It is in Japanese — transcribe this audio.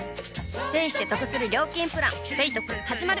ペイしてトクする料金プラン「ペイトク」始まる！